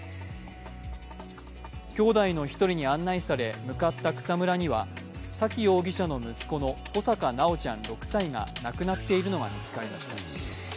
きょうだいの１人に案内され向かった草むらには沙喜容疑者の息子の穂坂修ちゃん６歳が亡くなっているのが見つかりました。